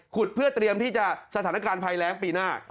เพื่อเตรียมที่จะสถานการณ์ภัยแรงปีหน้า